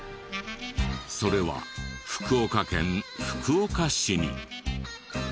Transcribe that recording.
それは福岡県福岡市に。